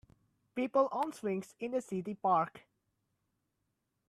People on swings in a city park.